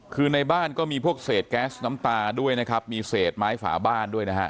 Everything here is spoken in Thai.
คือในบ้านก็มีพวกเศษแก๊สน้ำตาด้วยนะครับมีเศษไม้ฝาบ้านด้วยนะฮะ